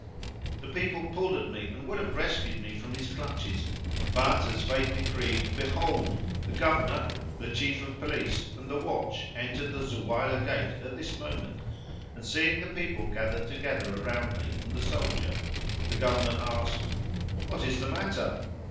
The people pulled at me and would have rescued me from his clutches; but as fate decreed behold, the Governor, the Chief of Police, and the watch[FN#543] entered the Zuwaylah Gate at this moment and, seeing the people gathered together around me and the soldier, the Governor asked, "What is the matter?"